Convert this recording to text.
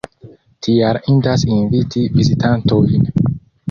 Tial indas inviti vizitantojn.